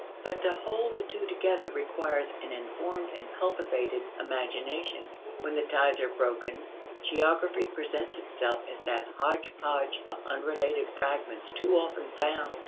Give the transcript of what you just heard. But to hold the two together requires an informed and cultivated imagination. When the ties are broken, geography presents itself as that hodge podge of unrelated fragments too often found.